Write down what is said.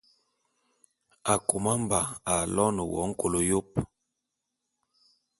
Akôma-Mba aloene wo nkôl yôp.